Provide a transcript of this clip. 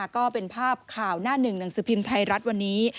ก็เป็นภาพข่าวหน้าหนึ่งหนังสือพิมพ์ไทยรัฐวันนี้